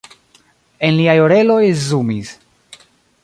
En liaj oreloj zumis.